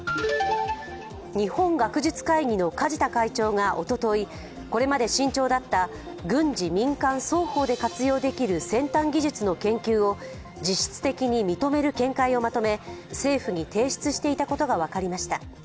日本学術会議の梶田会長がおととい、これまで慎重だった軍事・民間双方で活用できる先端技術の研究を実質的に認める見解をまとめ、政府に提出していたことが分かりました。